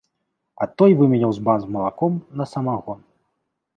А той выменяў збан з малаком на самагон.